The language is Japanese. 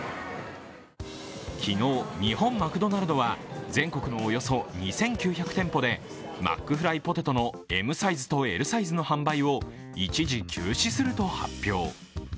昨日、日本マクドナルドは全国のおよそ２９００店舗でマックフライポテトのＭサイズとＬサイズの販売を一時休止すると発表。